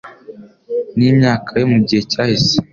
n’imyaka yo mu gihe cyahise